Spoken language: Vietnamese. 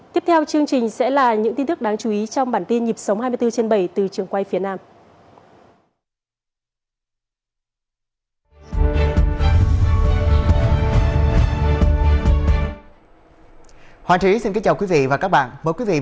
tiếp theo chương trình sẽ là những tin tức đáng chú ý trong bản tin nhịp sống hai mươi bốn trên bảy từ trường quay phía nam